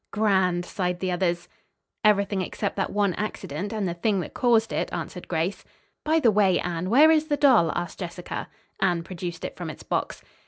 "Grand!" sighed the others. "Everything except that one accident, and the thing that caused it," answered Grace. "By the way, Anne, where is the doll?" asked Jessica. Anne produced it from its box.